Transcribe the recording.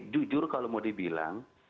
jujur kalau mau dibilang